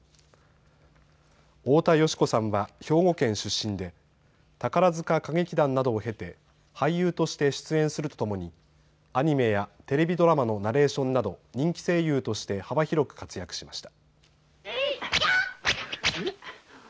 太田淑子さんは兵庫県出身で宝塚歌劇団などを経て俳優として出演するとともにアニメやテレビドラマのナレーションなど人気声優として幅広く活躍しました。